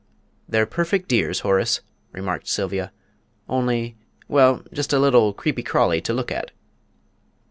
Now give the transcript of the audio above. "They're perfect dears, Horace," remarked Sylvia; "only well, just a little creepy crawly to look at!"